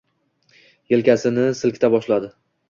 Yelkasi silkina boshlaydi